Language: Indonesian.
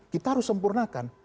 kita harus sempurnakan